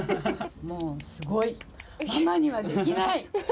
もうすごい、ママにはできない。